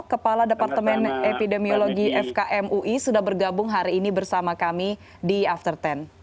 kepala departemen epidemiologi fkm ui sudah bergabung hari ini bersama kami di after sepuluh